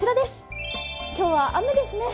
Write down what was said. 今日は雨ですね。